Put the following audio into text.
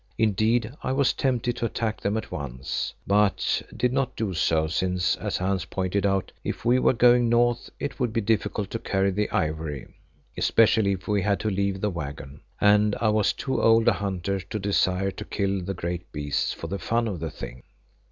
Indeed I was tempted to attack them at once, but did not do so since, as Hans pointed out, if we were going north it would be difficult to carry the ivory, especially if we had to leave the waggon, and I was too old a hunter to desire to kill the great beasts for the fun of the thing.